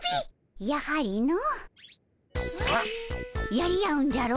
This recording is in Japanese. やり合うんじゃろ？